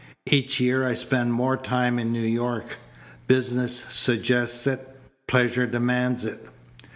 "Each year I spend more time in New York. Business suggests it. Pleasure demands it."